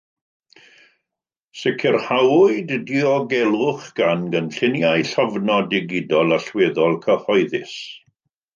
Sicrhawyd diogelwch gan gynlluniau llofnod digidol allweddol cyhoeddus.